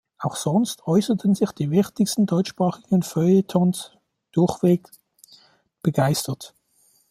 Auch sonst äußerten sich die wichtigsten deutschsprachigen Feuilletons durchweg begeistert.